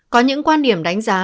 có những quan điểm đánh giá